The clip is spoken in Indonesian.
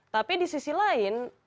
tapi di sisi lain